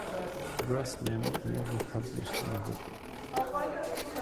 Grossman never published another book.